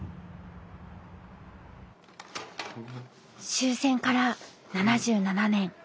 終戦から７７年。